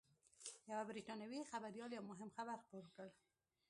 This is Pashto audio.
یوه بریټانوي خبریال یو مهم خبر خپور کړ